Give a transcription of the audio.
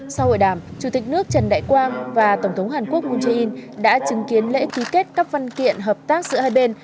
sau hội đàm chủ tịch nước trần đại quang và tổng thống hàn quốc moon jae in đã chứng kiến lễ ký kết các văn kiện hợp tác giữa hai bên